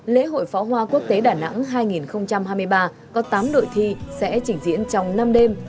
lễ hội pháo hoa quốc tế đà nẵng hai nghìn hai mươi ba có tám đội thi sẽ trình diễn trong năm đêm